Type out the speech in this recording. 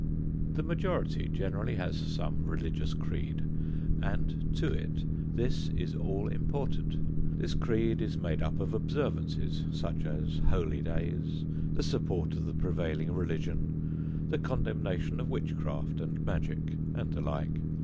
The majority generally has some religious creed, and to it this is all important. This creed is made up of observances, such as holy days, the support of the prevailing religion, the condemnation of witchcraft and magic, and the like.